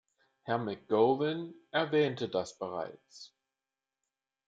Herr McGowan erwähnte das bereits.